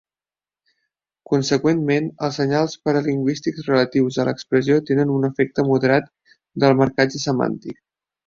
Conseqüentment, els senyals paralingüístics relatius a l'expressió tenen un efecte moderat del marcatge semàntic.